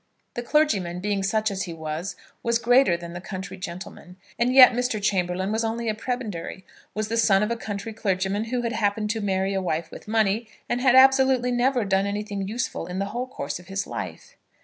The clergyman, being such as he was, was greater than the country gentleman. And yet Mr. Chamberlaine was only a prebendary, was the son of a country clergyman who had happened to marry a wife with money, and had absolutely never done anything useful in the whole course of his life.